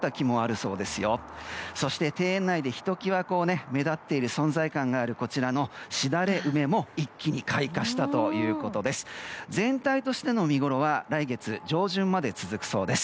そして庭園内でひときわ目立っているこちらのしだれ梅も一気に開花したということです。